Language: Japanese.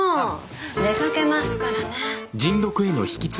出かけますからね。